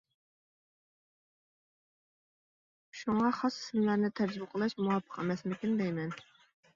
شۇڭا خاس ئىسىملارنى تەرجىمە قىلىش مۇۋاپىق ئەمەسمىكىن دەيمەن.